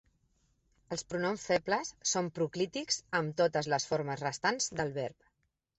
Els pronoms febles són proclítics amb totes les formes restants del verb.